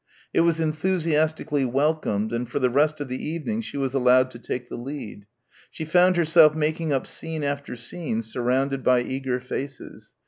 It was enthusiastically welcomed and for the rest of the evening she was allowed to take the lead. She found herself making up scene after scene surrounded by eager faces.